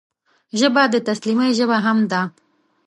ژبه د تسلیمۍ ژبه هم ده